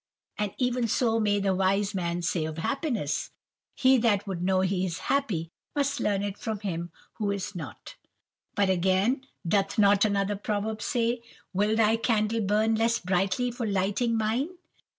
For even so may the wise man say of happiness, "He that would know he is happy, must learn it from him who is not." But again, doth not another proverb say, "Will thy candle burn less brightly for lighting mine?"